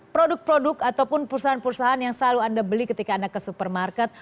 produk produk ataupun perusahaan perusahaan yang selalu anda beli ketika anda ke supermarket